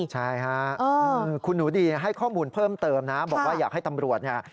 ใช่ค่ะคุณหนูดีให้ข้อมูลเพิ่มเติมนะบอกว่าอยากให้ตำรวจเนี่ย